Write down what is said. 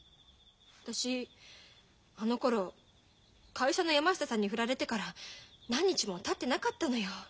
私あのころ会社の山下さんに振られてから何日もたってなかったのよ。